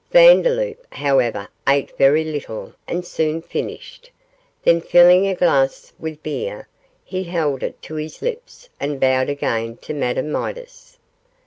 Vandeloup, however, ate very little and soon finished; then filling a glass with beer, he held it to his lips and bowed again to Madame Midas.